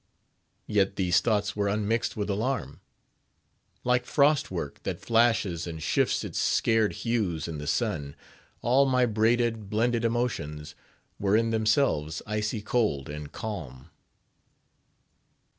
Yet these thoughts were unmixed with alarm. Like frost work that flashes and shifts its scared hues in the sun, all my braided, blended emotions were in themselves icy cold and calm.